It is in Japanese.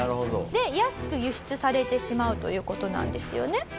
で安く輸出されてしまうという事なんですよね。